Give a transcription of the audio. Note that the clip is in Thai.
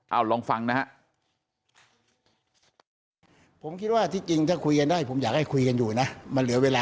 เอ้าลองฟังนะครับ